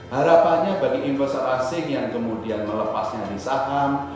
harapannya bagi investor asing yang kemudian melepasnya di saham